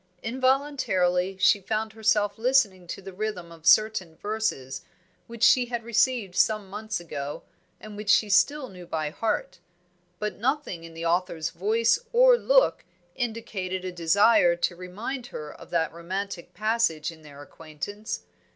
Involuntarily she found herself listening to the rhythm of certain verses which she had received some months ago, and which she still knew by heart; but nothing in the author's voice or look indicated a desire to remind her of that romantic passage in their acquaintance.